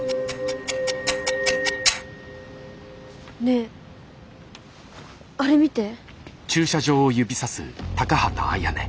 ねえあれ見て。